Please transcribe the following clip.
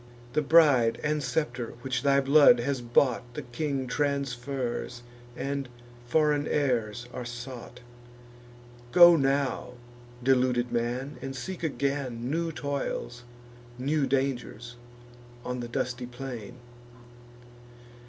The bride and scepter which thy blood has bought, The king transfers; and foreign heirs are sought. Go now, deluded man, and seek again New toils, new dangers, on the dusty plain.